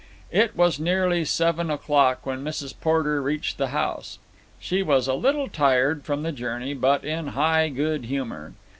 It was nearly seven o'clock when Mrs. Porter reached the house. She was a little tired from the journey, but in high good humour.